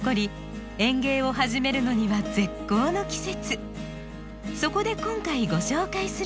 園芸を始めるのには絶好の季節。